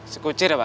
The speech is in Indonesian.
sekuci udah pak